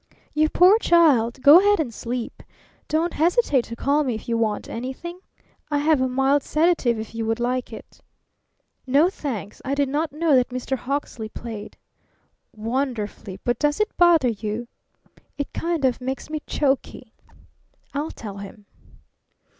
"You poor child! Go ahead and sleep. Don't hesitate to call me if you want anything. I have a mild sedative if you would like it." "No, thanks. I did not know that Mr. Hawksley played." "Wonderfully! But does it bother you?" "It kind of makes me choky." "I'll tell him."